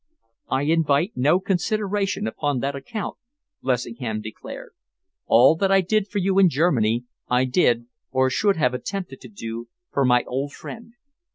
"I invite no consideration upon that account," Lessingham declared. "All that I did for you in Germany, I did, or should have attempted to do, for my old friend.